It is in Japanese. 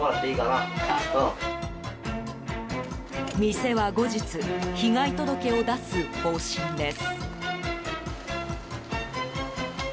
店は後日被害届を出す方針です。